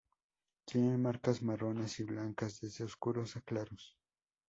Tienen marcas marrones y blancas desde oscuros a claros.